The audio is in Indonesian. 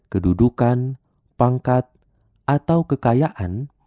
kedudukan pangkat atau kekayaan